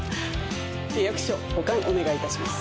契約書保管お願いいたします。